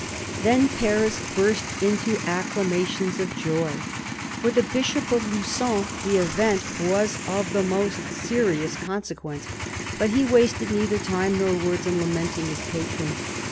Then Paris burst into acclamations of joy. For the Bishop of Lugon the event was of the most serious consequence, but he wasted neither time nor words in lamenting his patron.